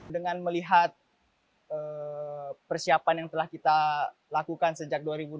dengan melihat persiapan yang telah kita lakukan sejak dua ribu dua puluh